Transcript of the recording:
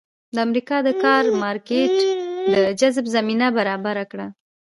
د امریکا د کار مارکېټ د جذب زمینه برابره کړه.